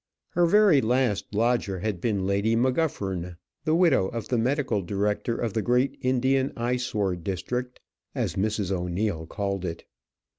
Her very last lodger had been Lady McGuffern, the widow of the medical director of the great Indian Eyesore district, as Mrs. O'Neil called it.